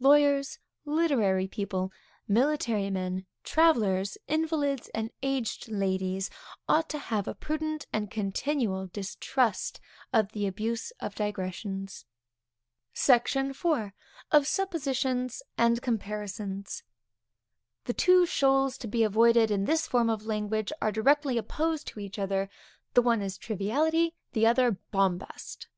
Lawyers, literary people, military men, travellers, invalids and aged ladies, ought to have a prudent and continual distrust of the abuse of digressions. SECTION IV. Of Suppositions and Comparisons. The two shoals to be avoided in this form of language are directly opposed to each other; the one is triviality, the other bombast.